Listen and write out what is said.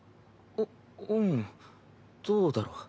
ううんどうだろ？